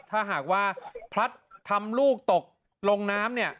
ถ้าหากว่าพลัดทำลูกตกลงน้ำเนี่ย